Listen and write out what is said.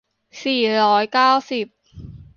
สี่ร้อยเก้าสิบ